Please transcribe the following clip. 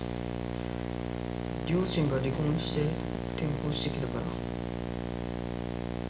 両親が離婚して転校してきたから。